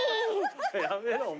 やめろお前。